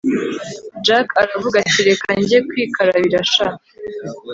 jack aravuga ati reka njye kwikarabira sha